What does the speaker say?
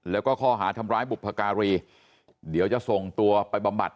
แล้วก็ข้อหาทำร้ายบุพการีเดี๋ยวจะส่งตัวไปบำบัด